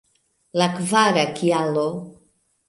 La kvara kialo!